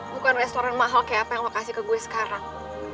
bukan restoran mahal kaya apa yang lo kasih ke gue sekarang